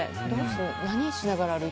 何しながら。